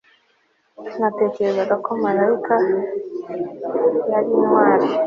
Natekerezaga ko Mariya yari intwari